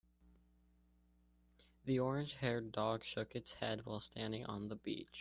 The orange haired dog shook its head while standing on the beach